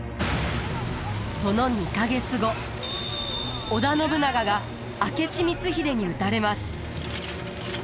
その２か月後織田信長が明智光秀に討たれます。